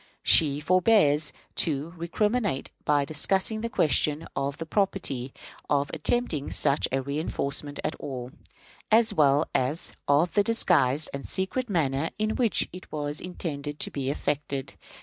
She forbears to recriminate by discussing the question of the propriety of attempting such a reënforcement at all, as well as of the disguised and secret manner in which it was intended to be effected.